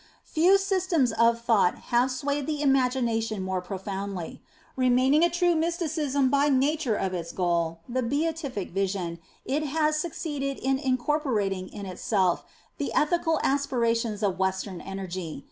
Few systems of thought have swayed the imagination more profoundly. Remaining a true Mysticism by nature of its goal, the " Beatific Vision," it has succeeded in in corporating in itself the ethical aspirations of Western energy.